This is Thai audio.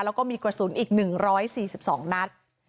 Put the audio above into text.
แล้วก็มีกระสุนอีก๑๔๒นัด